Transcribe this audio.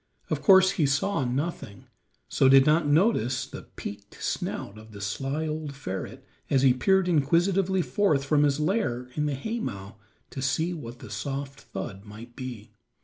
Of course he saw nothing, so did not notice the peaked snout of the sly old ferret as he peered inquisitively forth from his lair in the haymow to see what the soft thud might be.